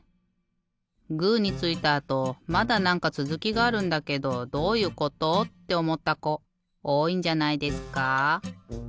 グーについたあとまだなんかつづきがあるんだけどどういうこと？っておもったこおおいんじゃないですか？